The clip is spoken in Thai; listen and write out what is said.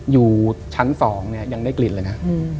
อยู่ชั้น๒เนี่ยยังได้กลิ่นเลยนะ